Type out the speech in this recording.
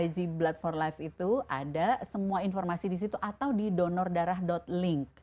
ig blood empat life itu ada semua informasi di situ atau di donordarah link